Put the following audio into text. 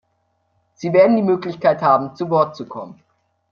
Sie werden die Möglichkeit haben, zu Wort zu kommen.